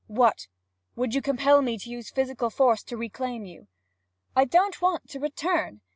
What? Would you compel me to use physical force to reclaim you?' 'I don't want to return!'